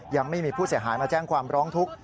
ยังไม่มีผู้เสียหายมาแจ้งความร้องทุกข์